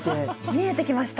見えてきました。